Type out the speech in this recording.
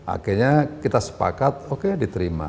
akhirnya kita sepakat oke diterima